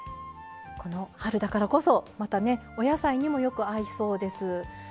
この春だからこそまたねお野菜にもよく合いそうです。